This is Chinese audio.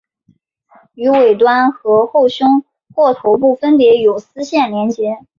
于尾端及后胸或头部分别有丝线连结。